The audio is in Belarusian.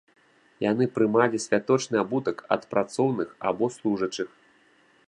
Яны прымалі святочны абутак ад працоўных або служачых.